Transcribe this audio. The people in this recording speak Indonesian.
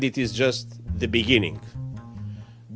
dan itu hanya permulaannya